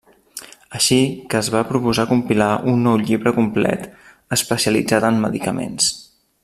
Així que es va proposar compilar un nou llibre complet especialitzat en medicaments.